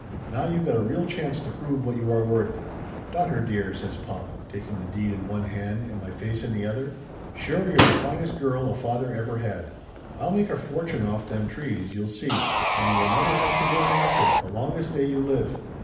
Now you got a real chance to prove what you are worth." "Daughter dear!" says pop, taking the deed in one hand and my face in the other. "Sure you're the finest girl a father ever had ! I'll make a fortune off them trees, you'll see, and you will never have to work, after, the longest day you live